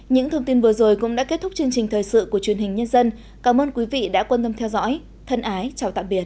những thông tin vừa rồi cũng đã kết thúc chương trình thời sự của truyền hình nhân dân cảm ơn quý vị đã quan tâm theo dõi thân ái chào tạm biệt